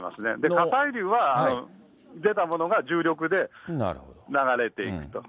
火砕流は出たものが重力で流れていくと。